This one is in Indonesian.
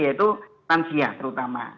yaitu lansia terutama